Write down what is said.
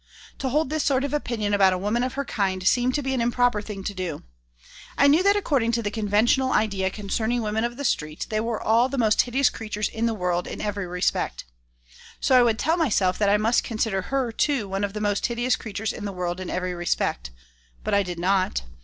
To hold this sort of opinion about a woman of her kind seemed to be an improper thing to do. I knew that according to the conventional idea concerning women of the street they were all the most hideous creatures in the world in every respect. So I would tell myself that I must consider her, too, one of the most hideous creatures in the world in every respect. But I did not.